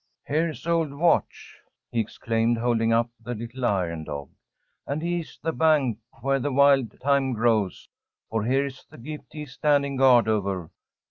"Here's old Watch!" he exclaimed, holding up the little iron dog. "And he is the bank where the wild time grows, for here is the gift he is standing guard over."